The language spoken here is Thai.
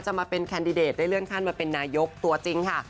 มาเป็นแคนดิเดตได้เลื่อนขั้นมาเป็นนายกตัวจริงค่ะ